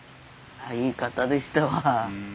いい方でしたわ。